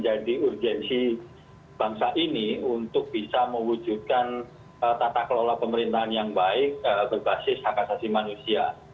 jadi urgensi bangsa ini untuk bisa mewujudkan tata kelola pemerintahan yang baik berbasis hak asasi manusia